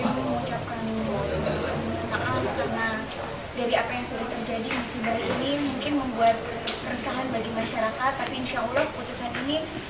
mungkin membuat keresahan bagi masyarakat tapi insya allah keputusan ini